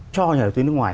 cho nhà đầu tư nước ngoài